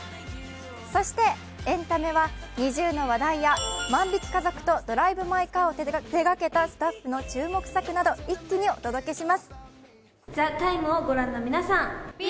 そして、エンタメはＮｉｚｉＵの話題や「万引き家族」と「ドライブ・マイ・カー」を手がけたスタッフの注目作など一気にお届けします。